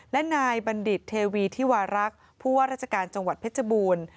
และนายบัณฑิตเทวีธิวารักษ์ผู้ว่าราชการจังหวัดเพชรบูรณ์